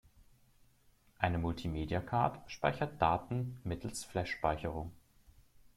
Eine Multimedia Card speichert Daten mittels Flash-Speicherung.